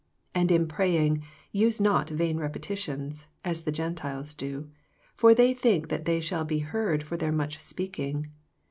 And in praying use not vain repetitions, as the Gentiles do ; for they think that they shall be heard for their much speaking.